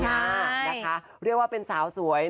นะคะเรียกว่าเป็นสาวสวย